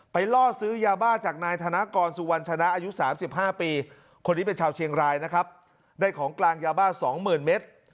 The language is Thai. ล่อซื้อยาบ้าจากนายธนกรสุวรรณชนะอายุ๓๕ปีคนนี้เป็นชาวเชียงรายนะครับได้ของกลางยาบ้า๒๐๐๐เมตร